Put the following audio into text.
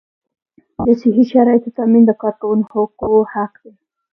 د صحي شرایطو تامین د کارکوونکي حق دی.